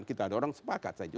kita orang sepakat saya juga